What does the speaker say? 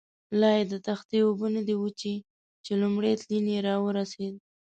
لایې د تختې اوبه نه دي وچې، چې لومړی تلین یې را ورسېد.